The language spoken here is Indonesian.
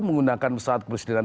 menggunakan pesawat kepresidenan